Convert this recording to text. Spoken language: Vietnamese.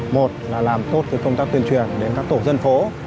một là làm tốt công tác tuyên truyền đến các tổ dân phố